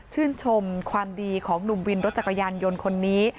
ชื่นชมความดีของหนุ่มวินรถจักรยานยนต์คนนี้